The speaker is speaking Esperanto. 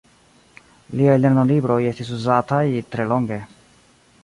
Liaj lernolibroj estis uzataj tre longe.